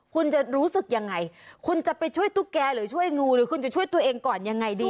คุณจะรู้สึกยังไงคุณจะไปช่วยตุ๊กแกหรือช่วยงูหรือคุณจะช่วยตัวเองก่อนยังไงดี